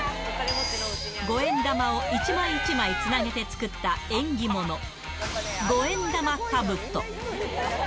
五円玉を一枚一枚つなげて作った縁起物、五円玉かぶと。